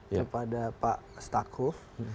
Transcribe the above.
kepada pak stakow